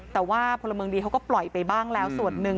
แต่ว่าพลเมืองดีเขาก็ปล่อยไปบ้างแล้วส่วนหนึ่ง